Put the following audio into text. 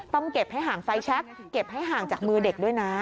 ต้องเก็บให้ห่างไฟแชคเก็บให้ห่างจากมือเด็กด้วยนะ